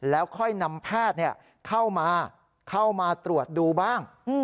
แล้วค่อยนำแพทย์เข้ามาเข้ามาตรวจดูบ้าง